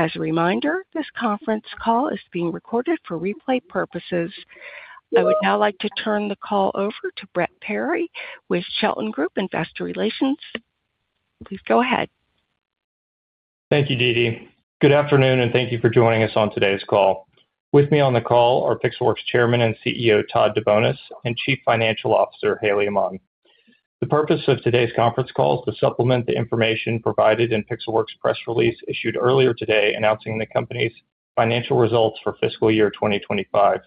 As a reminder, this conference call is being recorded for replay purposes. I would now like to turn the call over to Brett Perry with Shelton Group Investor Relations. Please go ahead. Thank you, Deedee. Good afternoon, and thank you for joining us on today's call. With me on the call are Pixelworks Chairman and CEO, Todd DeBonis, and Chief Financial Officer, Haley Aman. The purpose of today's conference call is to supplement the information provided in Pixelworks' press release issued earlier today announcing the company's financial results for fiscal year 2025.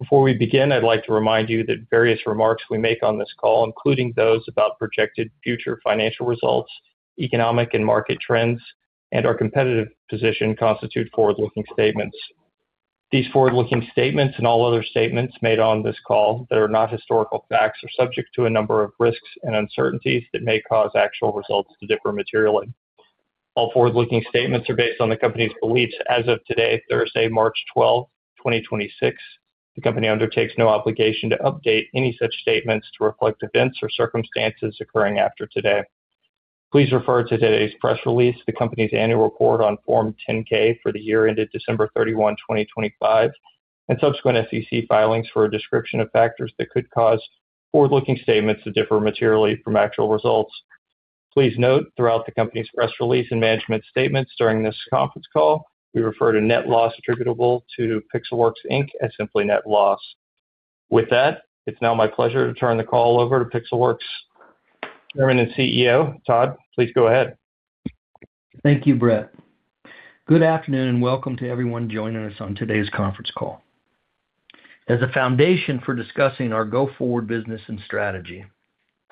Before we begin, I'd like to remind you that various remarks we make on this call, including those about projected future financial results, economic and market trends, and our competitive position, constitute forward-looking statements. These forward-looking statements and all other statements made on this call that are not historical facts, are subject to a number of risks and uncertainties that may cause actual results to differ materially. All forward-looking statements are based on the company's beliefs as of today, Thursday, March 12, 2026. The company undertakes no obligation to update any such statements to reflect events or circumstances occurring after today. Please refer to today's press release, the company's annual report on Form 10-K for the year ended December 31, 2025, and subsequent SEC filings for a description of factors that could cause forward-looking statements to differ materially from actual results. Please note, throughout the company's press release and management statements during this conference call, we refer to net loss attributable to Pixelworks, Inc. as simply net loss. With that, it's now my pleasure to turn the call over to Pixelworks Chairman and CEO. Todd, please go ahead. Thank you, Brett. Good afternoon, and welcome to everyone joining us on today's conference call. As a foundation for discussing our go-forward business and strategy,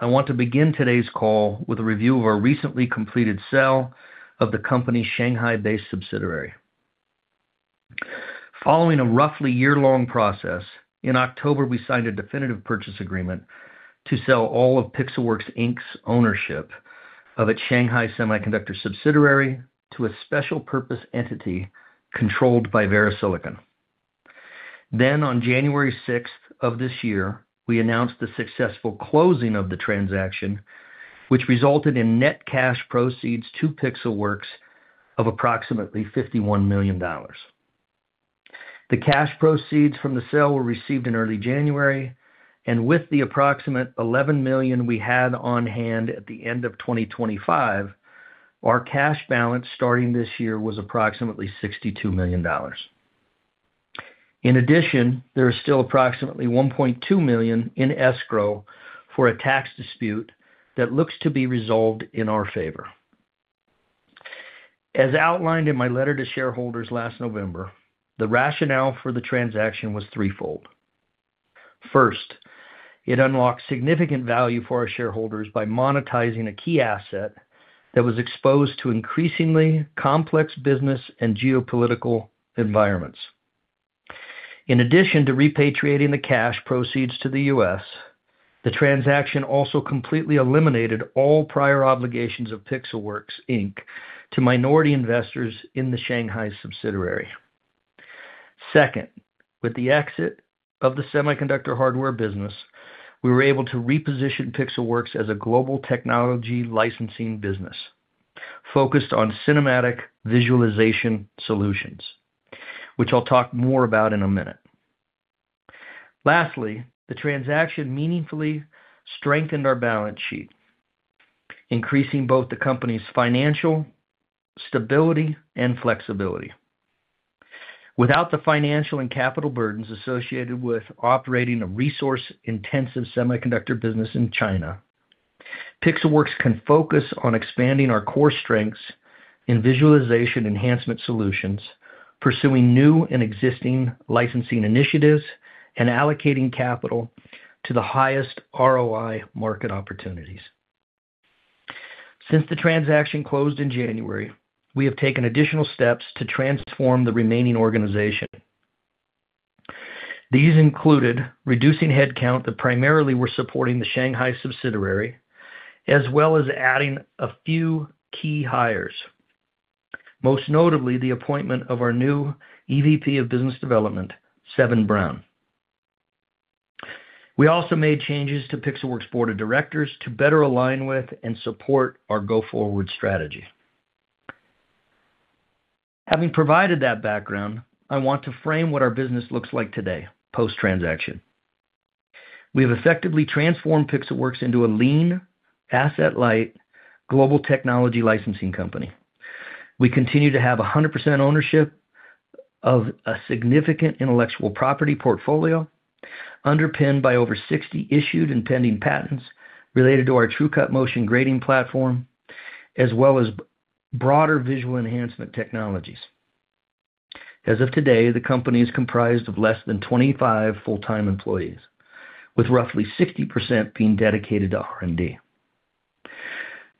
I want to begin today's call with a review of our recently completed sale of the company's Shanghai-based subsidiary. Following a roughly year-long process, in October, we signed a definitive purchase agreement to sell all of Pixelworks, Inc.'s ownership of its Shanghai semiconductor subsidiary to a special purpose entity controlled by VeriSilicon. On January 6th of this year, we announced the successful closing of the transaction, which resulted in net cash proceeds to Pixelworks of approximately $51 million. The cash proceeds from the sale were received in early January, and with the approximate $11 million we had on hand at the end of 2025, our cash balance starting this year was approximately $62 million. In addition, there is still approximately $1.2 million in escrow for a tax dispute that looks to be resolved in our favor. As outlined in my letter to shareholders last November, the rationale for the transaction was threefold. First, it unlocked significant value for our shareholders by monetizing a key asset that was exposed to increasingly complex business and geopolitical environments. In addition to repatriating the cash proceeds to the U.S., the transaction also completely eliminated all prior obligations of Pixelworks, Inc. to minority investors in the Shanghai subsidiary. Second, with the exit of the semiconductor hardware business, we were able to reposition Pixelworks as a global technology licensing business focused on cinematic visualization solutions, which I'll talk more about in a minute. Lastly, the transaction meaningfully strengthened our balance sheet, increasing both the company's financial stability and flexibility. Without the financial and capital burdens associated with operating a resource-intensive semiconductor business in China, Pixelworks can focus on expanding our core strengths in visualization enhancement solutions, pursuing new and existing licensing initiatives, and allocating capital to the highest ROI market opportunities. Since the transaction closed in January, we have taken additional steps to transform the remaining organization. These included reducing headcount that primarily were supporting the Shanghai subsidiary, as well as adding a few key hires, most notably the appointment of our new EVP of Business Development, Sevan Brown. We also made changes to Pixelworks' board of directors to better align with and support our go-forward strategy. Having provided that background, I want to frame what our business looks like today, post-transaction. We have effectively transformed Pixelworks into a lean, asset-light, global technology licensing company. We continue to have 100% ownership of a significant intellectual property portfolio underpinned by over 60 issued and pending patents related to our TrueCut Motion grading platform, as well as broader visual enhancement technologies. As of today, the company is comprised of less than 25 full-time employees, with roughly 60% being dedicated to R&D.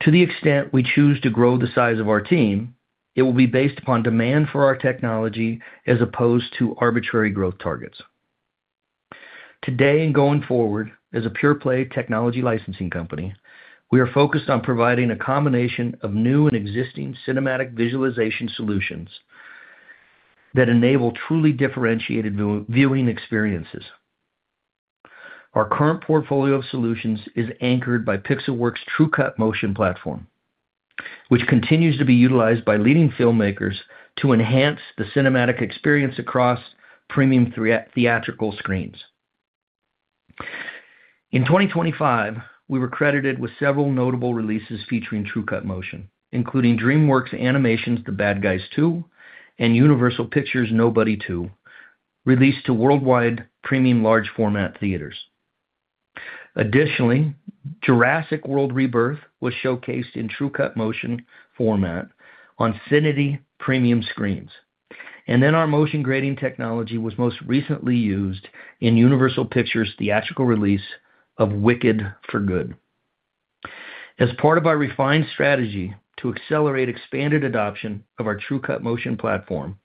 To the extent we choose to grow the size of our team, it will be based upon demand for our technology as opposed to arbitrary growth targets. Today and going forward, as a pure-play technology licensing company, we are focused on providing a combination of new and existing cinematic visualization solutions that enable truly differentiated viewing experiences. Our current portfolio of solutions is anchored by Pixelworks' TrueCut Motion platform, which continues to be utilized by leading filmmakers to enhance the cinematic experience across premium theatrical screens. In 2025, we were credited with several notable releases featuring TrueCut Motion, including DreamWorks Animation's The Bad Guys 2 and Universal Pictures' Nobody 2, released to worldwide premium large format theaters. Additionally, Jurassic World Rebirth was showcased in TrueCut Motion format on CINITY premium screens. Our motion grading technology was most recently used in Universal Pictures' theatrical release of Wicked: For Good. As part of our refined strategy to accelerate expanded adoption of our TrueCut Motion platform,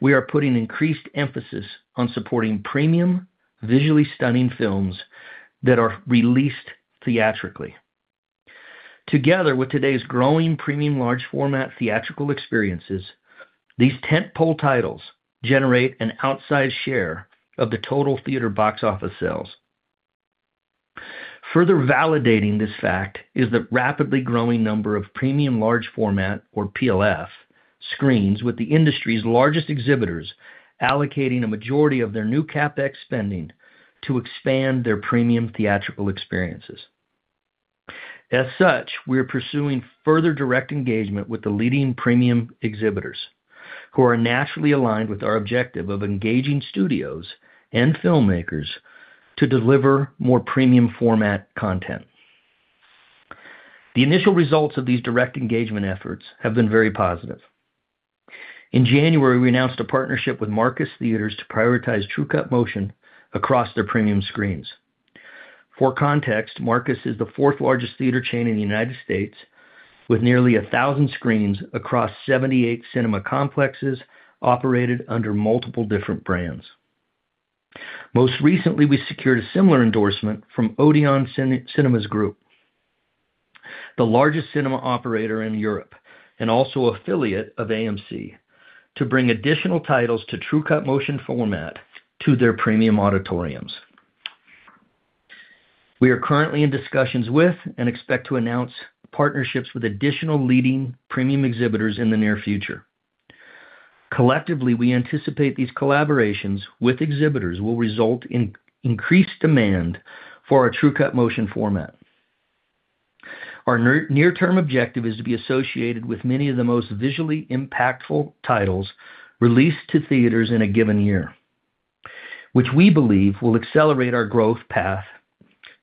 we are putting increased emphasis on supporting premium, visually stunning films that are released theatrically. Together with today's growing premium large format theatrical experiences, these tent-pole titles generate an outsized share of the total theater box office sales. Further validating this fact is the rapidly growing number of premium large format, or PLF, screens, with the industry's largest exhibitors allocating a majority of their new CapEx spending to expand their premium theatrical experiences. As such, we are pursuing further direct engagement with the leading premium exhibitors who are naturally aligned with our objective of engaging studios and filmmakers to deliver more premium format content. The initial results of these direct engagement efforts have been very positive. In January, we announced a partnership with Marcus Theatres to prioritize TrueCut Motion across their premium screens. For context, Marcus is the fourth-largest theater chain in the United States, with nearly 1,000 screens across 78 cinema complexes operated under multiple different brands. Most recently, we secured a similar endorsement from Odeon Cinemas Group, the largest cinema operator in Europe, and also affiliate of AMC, to bring additional titles to TrueCut Motion format to their premium auditoriums. We are currently in discussions with and expect to announce partnerships with additional leading premium exhibitors in the near future. Collectively, we anticipate these collaborations with exhibitors will result in increased demand for our TrueCut Motion format. Our near-term objective is to be associated with many of the most visually impactful titles released to theaters in a given year, which we believe will accelerate our growth path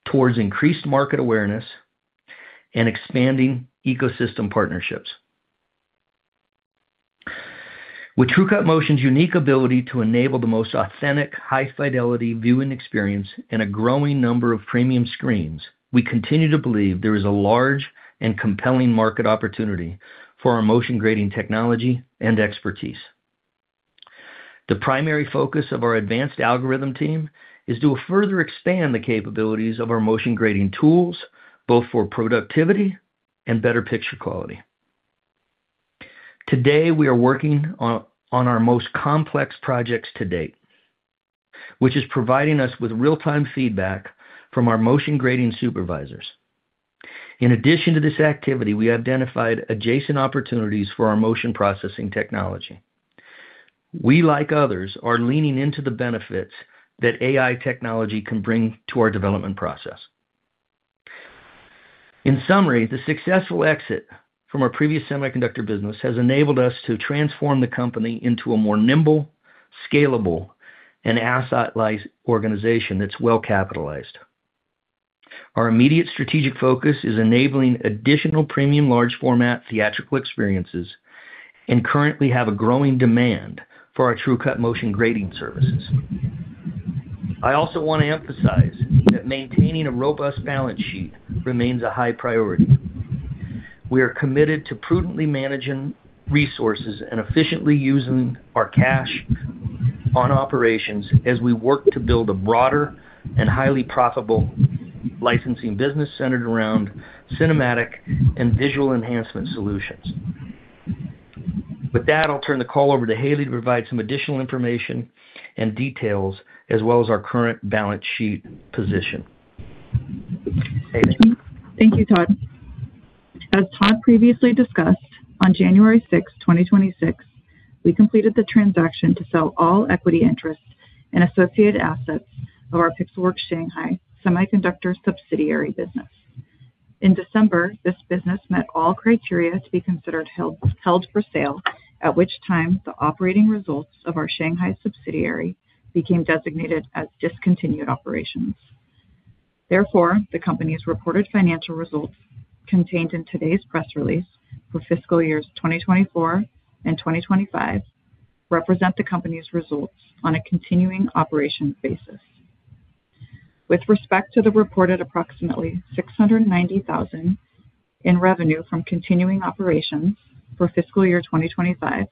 towards increased market awareness and expanding ecosystem partnerships. With TrueCut Motion's unique ability to enable the most authentic, high-fidelity viewing experience in a growing number of premium screens, we continue to believe there is a large and compelling market opportunity for our motion grading technology and expertise. The primary focus of our advanced algorithm team is to further expand the capabilities of our motion grading tools, both for productivity and better picture quality. Today, we are working on our most complex projects to-date, which is providing us with real-time feedback from our motion grading supervisors. In addition to this activity, we identified adjacent opportunities for our motion processing technology. We, like others, are leaning into the benefits that AI technology can bring to our development process. In summary, the successful exit from our previous semiconductor business has enabled us to transform the company into a more nimble, scalable, and asset-light organization that's well-capitalized. Our immediate strategic focus is enabling additional premium large format theatrical experiences and currently have a growing demand for our TrueCut Motion grading services. I also want to emphasize that maintaining a robust balance sheet remains a high priority. We are committed to prudently managing resources and efficiently using our cash on operations as we work to build a broader and highly profitable licensing business centered around cinematic and visual enhancement solutions. With that, I'll turn the call over to Haley to provide some additional information and details as well as our current balance sheet position. Haley? Thank you, Todd. As Todd previously discussed, on January 6th, 2026, we completed the transaction to sell all equity interests and associated assets of our Pixelworks Shanghai Semiconductor subsidiary business. In December, this business met all criteria to be considered held for sale, at which time the operating results of our Shanghai subsidiary became designated as discontinued operations. Therefore, the company's reported financial results contained in today's press release for fiscal years 2024 and 2025 represent the company's results on a continuing operations basis. With respect to the reported approximately $690,000 in revenue from continuing operations for fiscal year 2025,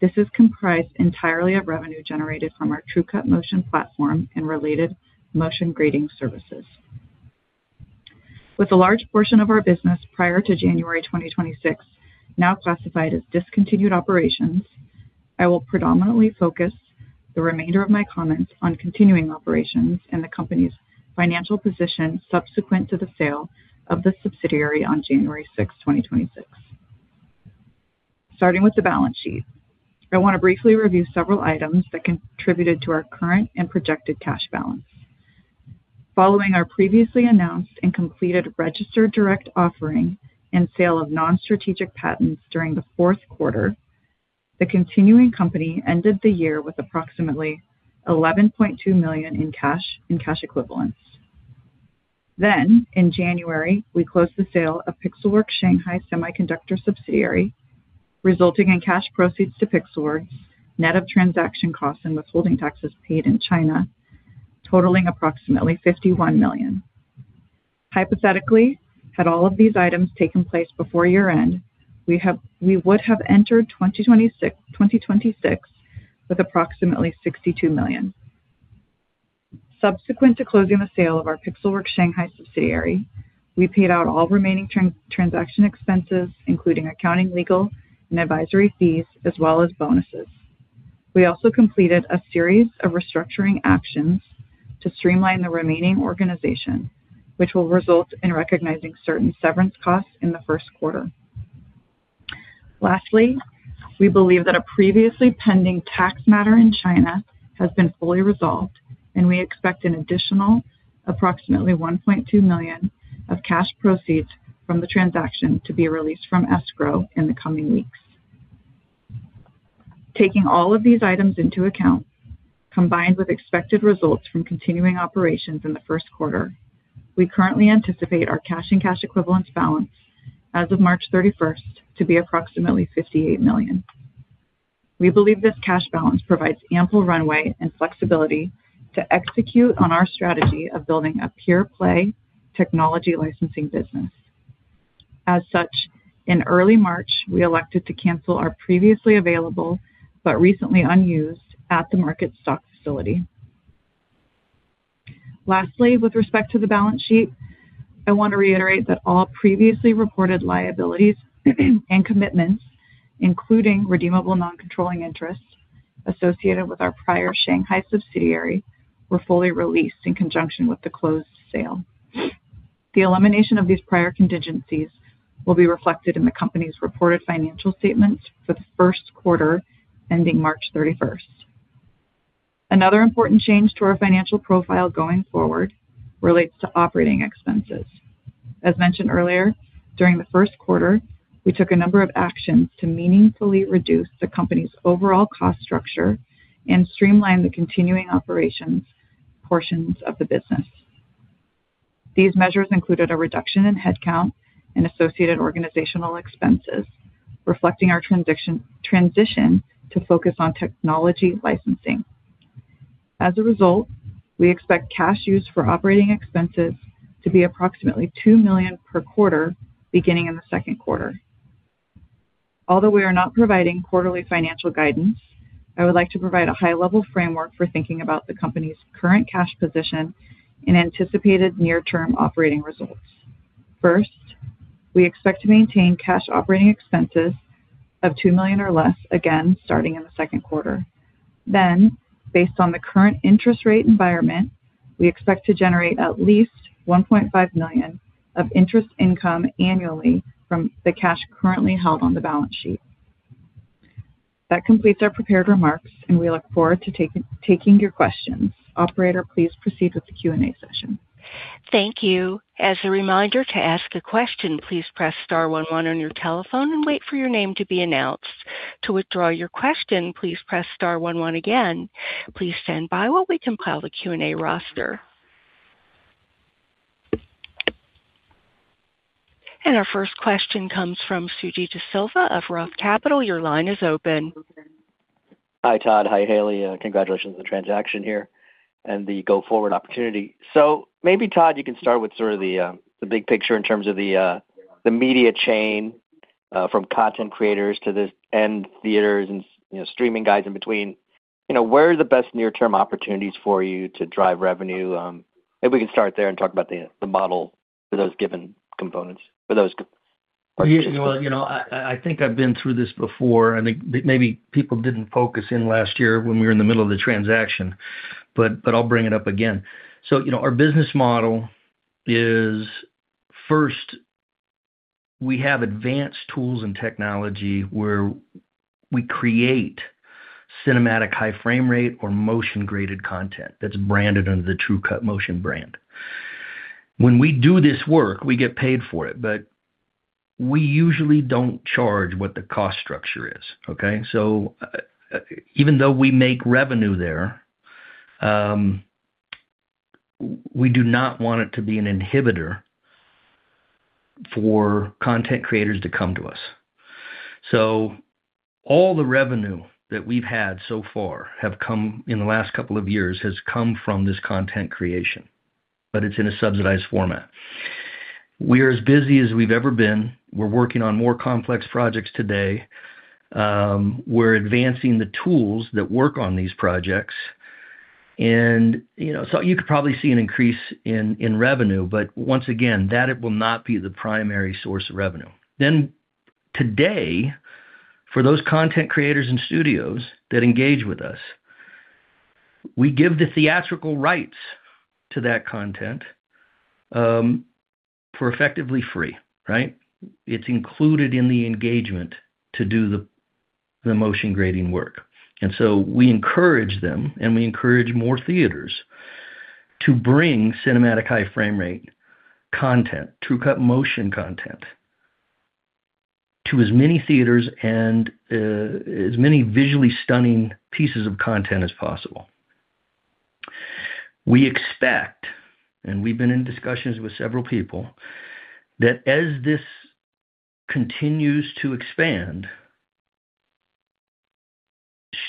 this is comprised entirely of revenue generated from our TrueCut Motion platform and related motion grading services. With a large portion of our business prior to January 2026 now classified as discontinued operations, I will predominantly focus the remainder of my comments on continuing operations and the company's financial position subsequent to the sale of the subsidiary on January 6th, 2026. Starting with the balance sheet, I want to briefly review several items that contributed to our current and projected cash balance. Following our previously announced and completed registered direct offering and sale of non-strategic patents during the fourth quarter, the continuing company ended the year with approximately $11.2 million in cash and cash equivalents. In January, we closed the sale of Pixelworks Shanghai semiconductor subsidiary, resulting in cash proceeds to Pixelworks, net of transaction costs and withholding taxes paid in China, totaling approximately $51 million. Hypothetically, had all of these items taken place before year-end, we would have entered 2026 with approximately $62 million. Subsequent to closing the sale of our Pixelworks Shanghai subsidiary, we paid out all remaining transaction expenses, including accounting, legal, and advisory fees, as well as bonuses. We also completed a series of restructuring actions to streamline the remaining organization, which will result in recognizing certain severance costs in the first quarter. Lastly, we believe that a previously pending tax matter in China has been fully resolved, and we expect an additional approximately $1.2 million of cash proceeds from the transaction to be released from escrow in the coming weeks. Taking all of these items into account, combined with expected results from continuing operations in the first quarter, we currently anticipate our cash and cash equivalents balance as of March 31st to be approximately $58 million. We believe this cash balance provides ample runway and flexibility to execute on our strategy of building a pure play technology licensing business. As such, in early March, we elected to cancel our previously available but recently unused at-the-market stock facility. Lastly, with respect to the balance sheet, I want to reiterate that all previously reported liabilities and commitments, including redeemable non-controlling interests associated with our prior Shanghai subsidiary, were fully released in conjunction with the closed sale. The elimination of these prior contingencies will be reflected in the company's reported financial statements for the first quarter ending March 31st. Another important change to our financial profile going forward relates to operating expenses. As mentioned earlier, during the first quarter, we took a number of actions to meaningfully reduce the company's overall cost structure and streamline the continuing operations portions of the business. These measures included a reduction in headcount and associated organizational expenses, reflecting our transition to focus on technology licensing. As a result, we expect cash use for operating expenses to be approximately $2 million per quarter beginning in the second quarter. Although we are not providing quarterly financial guidance, I would like to provide a high-level framework for thinking about the company's current cash position and anticipated near-term operating results. First, we expect to maintain cash operating expenses of $2 million or less again starting in the second quarter. Then based on the current interest rate environment, we expect to generate at least $1.5 million of interest income annually from the cash currently held on the balance sheet. That completes our prepared remarks, and we look forward to taking your questions. Operator, please proceed with the Q&A session. Thank you. As a reminder to ask a question, please press star one one on your telephone and wait for your name to be announced. To withdraw your question, please press star one one again. Please stand by while we compile the Q&A roster. Our first question comes from Suji DeSilva of Roth Capital. Your line is open. Hi, Todd. Hi, Haley. Congratulations on the transaction here and the go-forward opportunity. Maybe, Todd, you can start with sort of the big picture in terms of the media chain from content creators to the end theaters and you know, streaming guys in between. You know, where are the best near-term opportunities for you to drive revenue? Maybe we can start there and talk about the model for those given components. For those- You know what, you know, I think I've been through this before, and maybe people didn't focus in last year when we were in the middle of the transaction, but I'll bring it up again. You know, our business model is, first, we have advanced tools and technology where we create cinematic high frame rate or motion-graded content that's branded under the TrueCut Motion brand. When we do this work, we get paid for it, but we usually don't charge what the cost structure is. Okay? Even though we make revenue there, we do not want it to be an inhibitor for content creators to come to us. All the revenue that we've had so far has come from this content creation in the last couple of years, but it's in a subsidized format. We're as busy as we've ever been. We're working on more complex projects today. We're advancing the tools that work on these projects. You know, so you could probably see an increase in revenue, but once again, that it will not be the primary source of revenue. Today, for those content creators and studios that engage with us, we give the theatrical rights to that content for effectively free, right? It's included in the engagement to do the motion grading work. We encourage them, and we encourage more theaters to bring cinematic high frame rate content, TrueCut Motion content, to as many theaters and as many visually stunning pieces of content as possible. We expect, and we've been in discussions with several people, that as this continues to expand,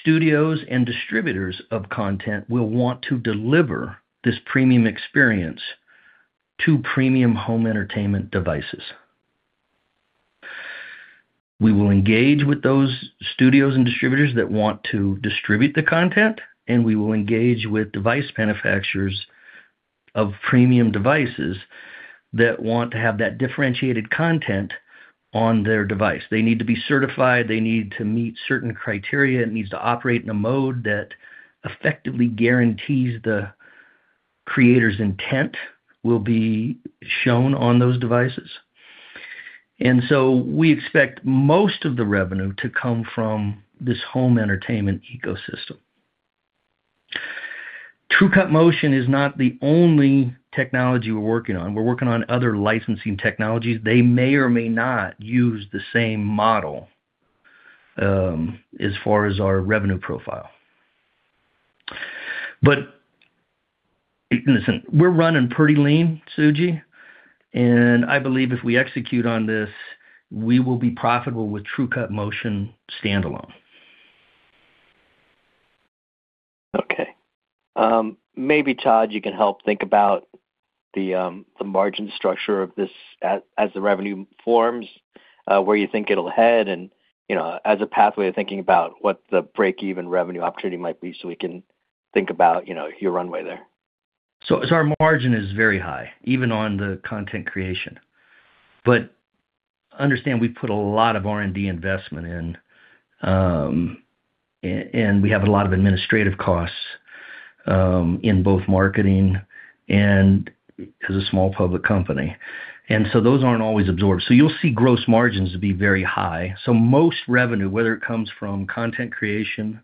studios and distributors of content will want to deliver this premium experience to premium home entertainment devices. We will engage with those studios and distributors that want to distribute the content, and we will engage with device manufacturers of premium devices that want to have that differentiated content on their device. They need to be certified. They need to meet certain criteria. It needs to operate in a mode that effectively guarantees the creator's intent will be shown on those devices. We expect most of the revenue to come from this home entertainment ecosystem. TrueCut Motion is not the only technology we're working on. We're working on other licensing technologies. They may or may not use the same model, as far as our revenue profile. Listen, we're running pretty lean, Suji, and I believe if we execute on this, we will be profitable with TrueCut Motion standalone. Okay. Maybe, Todd, you can help think about the margin structure of this as the revenue forms, where you think it'll head and, you know, as a pathway to thinking about what the break-even revenue opportunity might be so we can think about, you know, your runway there. Our margin is very high, even on the content creation. Understand we put a lot of R&D investment in, and we have a lot of administrative costs, in both marketing and as a small public company. Those aren't always absorbed. You'll see gross margins to be very high. Most revenue, whether it comes from content creation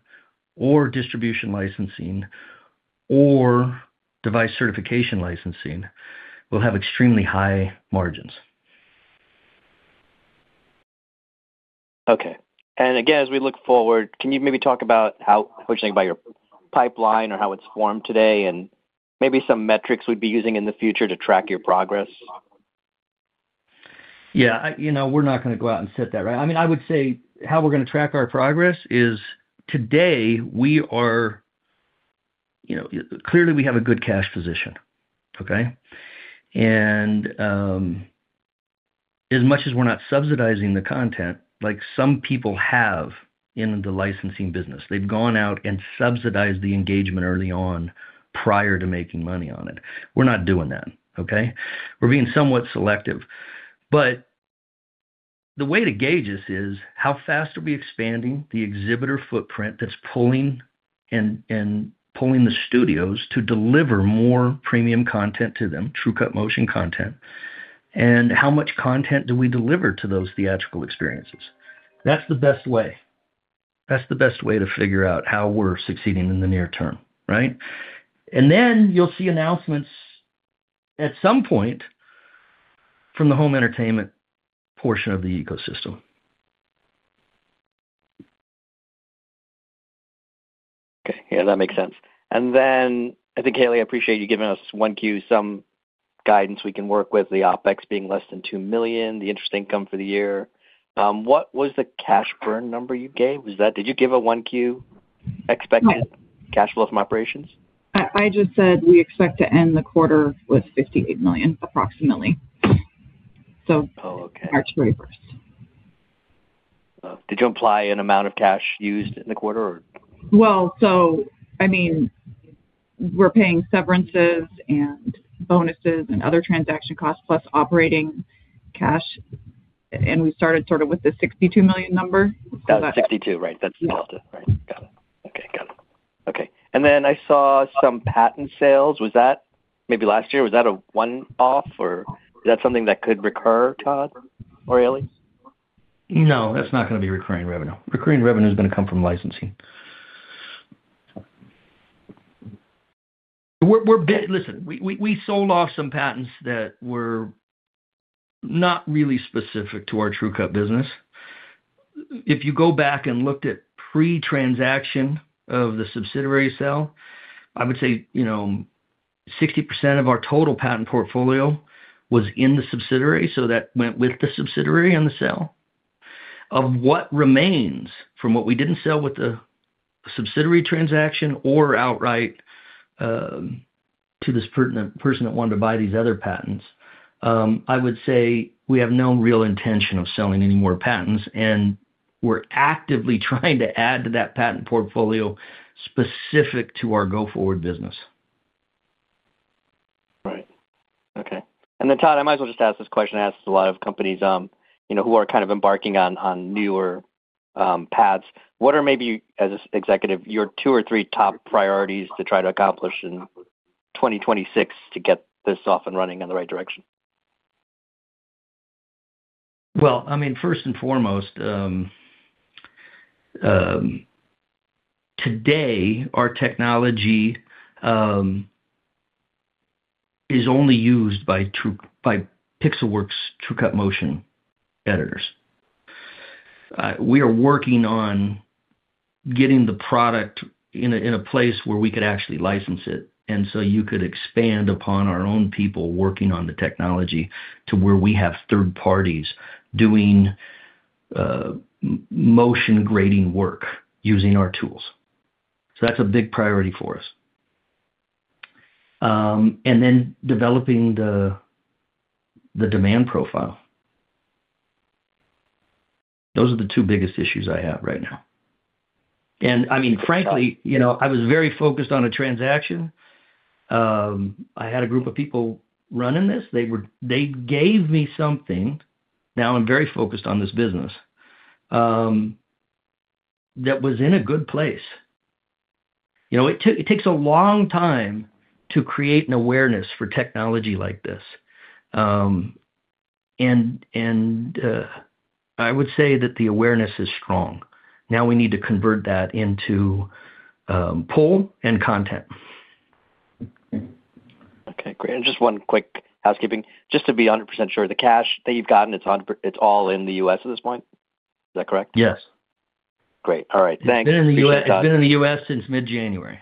or distribution licensing or device certification licensing, will have extremely high margins. Okay. As we look forward, can you maybe talk about what you think about your pipeline or how it's formed today, and maybe some metrics we'd be using in the future to track your progress? Yeah. You know, we're not gonna go out and set that, right? I mean, I would say how we're gonna track our progress is today we are, you know, clearly we have a good cash position, okay? As much as we're not subsidizing the content, like some people have in the licensing business. They've gone out and subsidized the engagement early on prior to making money on it. We're not doing that, okay? We're being somewhat selective. The way to gauge this is how fast are we expanding the exhibitor footprint that's pulling the studios to deliver more premium content to them, TrueCut Motion content, and how much content do we deliver to those theatrical experiences? That's the best way. That's the best way to figure out how we're succeeding in the near term, right? Then you'll see announcements at some point from the home entertainment portion of the ecosystem. Okay. Yeah, that makes sense. I think, Haley, I appreciate you giving us 1Q some guidance we can work with, the OPEX being less than $2 million, the interest income for the year. What was the cash burn number you gave? Did you give a 1Q expected cash flow from operations? I just said we expect to end the quarter with $58 million approximately. Oh, okay. March 31st. Did you imply an amount of cash used in the quarter or? Well, I mean, we're paying severances and bonuses and other transaction costs plus operating cash, and we started sort of with the $62 million number. Oh, $62, right. That's gross. Yeah. Right. Got it. Okay. Got it. Okay. Then I saw some patent sales. Was that maybe last year? Was that a one-off or is that something that could recur, Todd or Haley? No, that's not gonna be recurring revenue. Recurring revenue is gonna come from licensing. Listen, we sold off some patents that were not really specific to our TrueCut business. If you go back and looked at pre-transaction of the subsidiary sale, I would say, you know, 60% of our total patent portfolio was in the subsidiary, so that went with the subsidiary in the sale. Of what remains from what we didn't sell with the subsidiary transaction or outright to this person that wanted to buy these other patents, I would say we have no real intention of selling any more patents, and we're actively trying to add to that patent portfolio specific to our go-forward business. Right. Okay. Todd, I might as well just ask this question. I ask this to a lot of companies, you know, who are kind of embarking on newer paths. What are maybe, as executive, your two or three top priorities to try to accomplish in 2026 to get this off and running in the right direction? I mean, first and foremost, today, our technology is only used by Pixelworks TrueCut Motion editors. We are working on getting the product in a place where we could actually license it, and so you could expand upon our own people working on the technology to where we have third parties doing motion grading work using our tools. That's a big priority for us. Then developing the demand profile. Those are the two biggest issues I have right now. I mean, frankly, you know, I was very focused on a transaction. I had a group of people running this. They gave me something, now I'm very focused on this business that was in a good place. You know, it takes a long time to create an awareness for technology like this. I would say that the awareness is strong. Now we need to convert that into pull and content. Okay, great. Just one quick housekeeping. Just to be 100% sure, the cash that you've gotten, it's all in the U.S. at this point. Is that correct? Yes. Great. All right. Thanks. It's been in the U.S. since mid-January.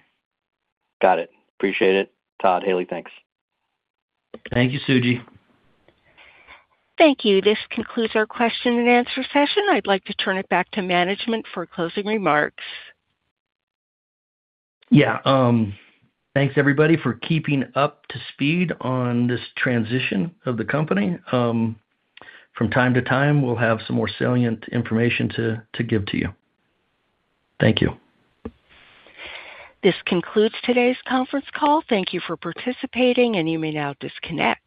Got it. Appreciate it. Todd DeBonis, thanks. Thank you, Suji. Thank you. This concludes our question-and-answer session. I'd like to turn it back to management for closing remarks. Yeah. Thanks everybody for keeping up to speed on this transition of the company. From time to time, we'll have some more salient information to give to you. Thank you. This concludes today's conference call. Thank you for participating, and you may now disconnect.